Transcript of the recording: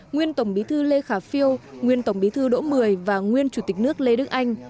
nguyên tổng bí thư lê khả phiêu nguyên tổng bí thư đỗ mười và nguyên chủ tịch nước lê đức anh